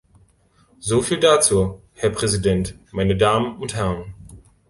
Soviel dazu, Herr Präsident, meine Damen und Herren.